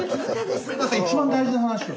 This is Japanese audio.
ごめんなさい一番大事な話を。